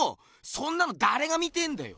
そんなのだれが見てえんだよ？